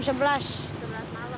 sampai jam sebelas